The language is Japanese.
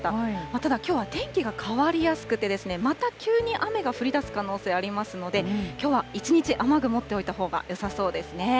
ただ、きょうは天気が変わりやすくて、また急に雨が降りだす可能性ありますので、きょうは一日雨具持っておいたほうがよさそうですね。